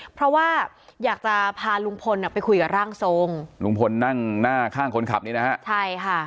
เพราะว่าอยากจะพาลุงพลไปคุยกับร่างทรงลุงพลนั่งหน้าข้างคนขับนี้นะฮะใช่ค่ะ